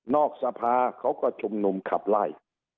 สภาเขาก็ชุมนุมขับไล่